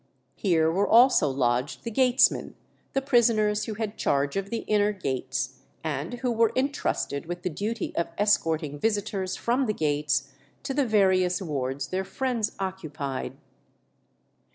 Here were also lodged the gatesmen, the prisoners who had charge of the inner gates, and who were intrusted with the duty of escorting visitors from the gates to the various wards their friends occupied.